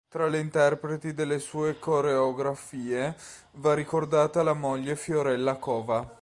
Tra le interpreti delle sue coreografie va ricordata la moglie Fiorella Cova.